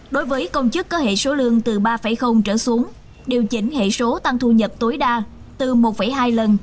đối với công chức có hệ số lương từ ba trở xuống điều chỉnh hệ số tăng thu nhập tối đa từ một hai lần